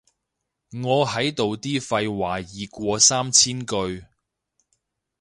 我喺度啲廢話已過三千句